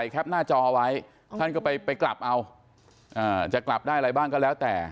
คงไปกลับเอาจะกลับได้อะไรบ้างก็แล้วแต่